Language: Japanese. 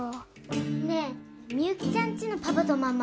ねえみゆきちゃんちのパパとママ